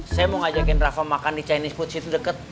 saya mau ngajakin rafa makan di chinese food city deket